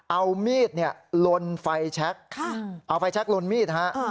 เอามีดลนไฟแช็กเอาไฟแช็กลนมีดฮะ